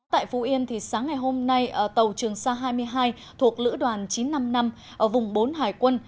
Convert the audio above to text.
tại phú yên sáng ngày hôm nay tàu trường sa hai mươi hai thuộc lữ đoàn chín trăm năm mươi năm ở vùng bốn hải quân